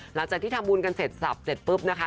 หลังจากที่ทำบุญกันเสร็จสับเสร็จปุ๊บนะคะ